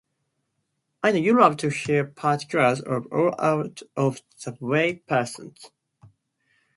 I know you love to hear particulars of all out of the way persons.